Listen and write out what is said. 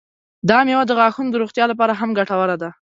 دا میوه د غاښونو د روغتیا لپاره هم ګټوره ده.